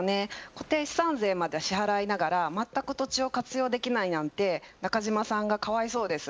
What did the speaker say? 固定資産税まで支払いながら全く土地を活用できないなんて中島さんがかわいそうです。